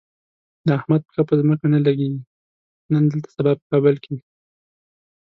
د احمد پښه په ځمکه نه لږي، نن دلته سبا په کابل وي.